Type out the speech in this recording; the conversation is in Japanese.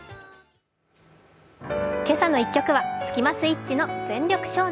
「けさの１曲」はスキマスイッチの「全力少年」。